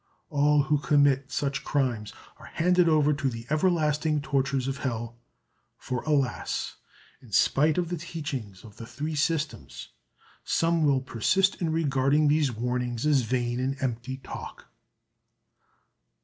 All who commit such crimes are handed over to the everlasting tortures of hell; for alas! in spite of the teachings of the Three Systems some will persist in regarding these warnings as vain and empty talk.